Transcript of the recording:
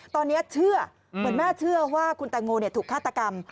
ตอนนี้เชื่อเหมือนแม่เชื่อว่าคุณแตงโมถูกฆาตกรรม